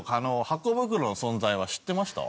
ハコ袋の存在は知ってました？